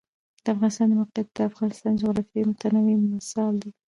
د افغانستان د موقعیت د افغانستان د جغرافیوي تنوع مثال دی.